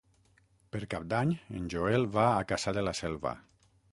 Per Cap d'Any en Joel va a Cassà de la Selva.